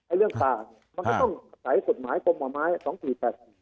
ไอ้เรื่องป่าเนี่ยมันก็ต้องใส่กฎหมายประมาณ๒๘ปี